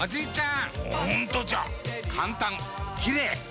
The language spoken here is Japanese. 簡単、きれい。